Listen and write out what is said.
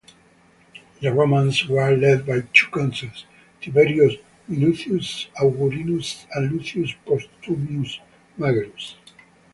The Romans were led by two consuls, Tiberius Minucius Augurinus and Lucius Postumius Megellus.